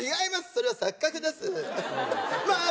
それは錯覚です！